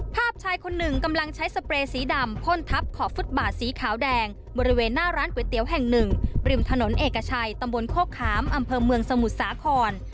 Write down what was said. ชายคนหนึ่งกำลังใช้สเปรย์สีดำพ่นทับขอบฟุตบาทสีขาวแดงบริเวณหน้าร้านก๋วยเตี๋ยวแห่งหนึ่งริมถนนเอกชัยตำบลโคกขามอำเภอเมืองสมุทรสาคร